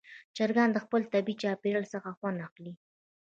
چرګان د خپل طبیعي چاپېریال څخه خوند اخلي.